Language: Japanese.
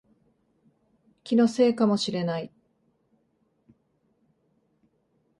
気のせいかもしれない